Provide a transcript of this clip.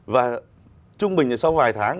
và trung bình là sau vài tháng